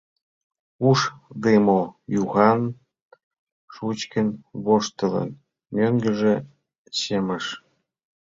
Ушдымо-Юхан, шучкын воштылын, мӧҥгыжӧ чымыш.